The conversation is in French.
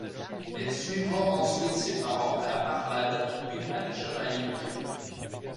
Elle suivra ensuite ses parents à la Barbade puis à la Jamaïque.